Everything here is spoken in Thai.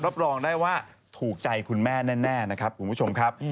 รับรองได้ว่าถูกใจคุณแม่แน่นะครับคุณผู้ชมครับ